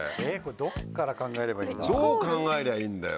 どっから考えればいいんだ？